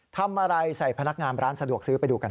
ทำอะไรใส่พนักงานร้านสะดวกซื้อไปดูกัน